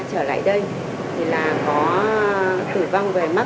thì là có tử vong về mắt